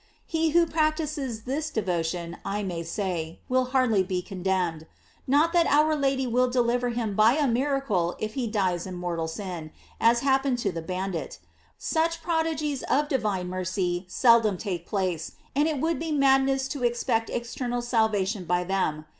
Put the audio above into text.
He who practises this devotion, I may say, will hardly be condemned ; not that our Lady will deliver him by a miracle if he dies in mortal sin, as happened to the ban dit; such prodigies of divine mercy seldom take place, and it would be madness to expect eternal salvation by them.